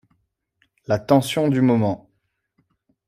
La tension du moment.